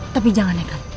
tapi jangan eka